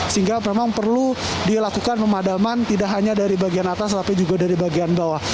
sehingga memang perlu dilakukan pemadaman tidak hanya dari bagian atas tapi juga dari bagian bawah